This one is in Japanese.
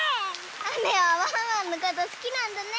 あめはワンワンのことすきなんだね！